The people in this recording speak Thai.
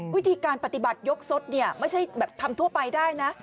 วิธีการปฏิบัติยกสดเนี่ยไม่ใช่แบบทำทั่วไปได้นะ